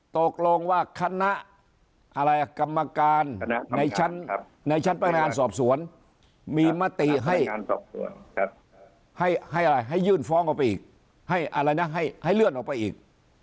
ตกลงว่าคณะกรรมการในชั้นพนักงานสอบสวนมีมติให้อะไรให้ยื่นฟ้องออกไปอีกให้อะไรนะให้เลื่อนออกไปอีก